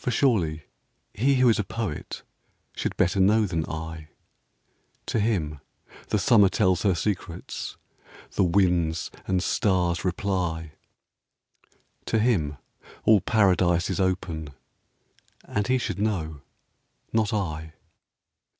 For surely he who is a poet Should better know than I. To him the summer tells her secrets, — The winds and stars reply ; To him all Paradise is open, And he should know — not I.